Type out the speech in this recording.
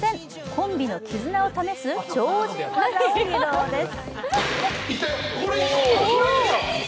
コンビの絆を試す超人技を披露です。